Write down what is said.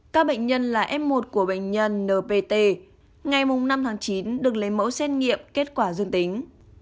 các bệnh nhân là f một của bệnh nhân npt ngày năm tháng chín được lấy mẫu xét nghiệm kết quả dương tính